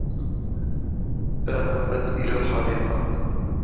ذهبت إلى الحديقة